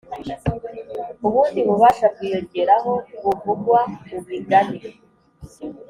Ubundi bubasha bwiyongeraho buvugwa mu migani.